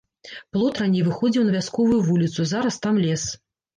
Плот раней выходзіў на вясковую вуліцу, зараз там лес.